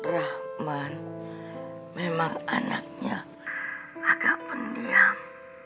rahman memang anaknya agak pendiam